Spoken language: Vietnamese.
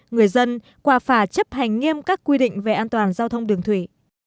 người dân qua phà chấp hành nghiêm các quy định về an toàn giao thông đường thủy